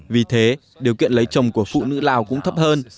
vì thế điều kiện lấy chồng của phụ nữ lao cũng thấp hơn